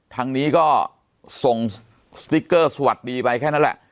ทางนี้ก็ส่งสติ๊กเกอร์สวัสดีไปแค่นั้นแหละ